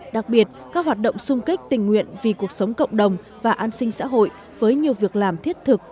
đặc biệt các hoạt động sung kích tình nguyện vì cuộc sống cộng đồng và an sinh xã hội với nhiều việc làm thiết thực